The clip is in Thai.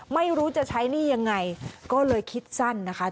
ไม่รู้จะใช้หนี้ยังไงก็เลยคิดสั้นนะคะ